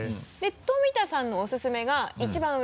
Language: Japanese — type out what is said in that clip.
富田さんのおすすめが一番上。